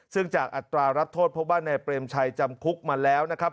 ซึ่งจากอัตรารับโทษพบว่านายเปรมชัยจำคุกมาแล้วนะครับ